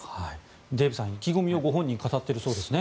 デーブさん、意気込みを本人、語っているそうですね。